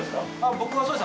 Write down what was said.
僕はそうです。